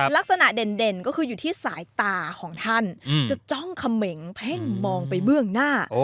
ลักษณะเด่นก็คืออยู่ที่สายตาของท่านจะจ้องเขม่งเพ่งมองไปเบื้องหน้า